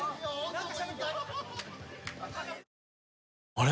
あれ？